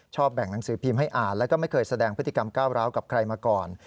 แบ่งหนังสือพิมพ์ให้อ่านแล้วก็ไม่เคยแสดงพฤติกรรมก้าวร้าวกับใครมาก่อน